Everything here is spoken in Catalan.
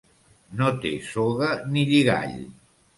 No té soga ni lligall.